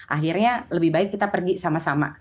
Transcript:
akhirnya lebih baik kita pergi sama sama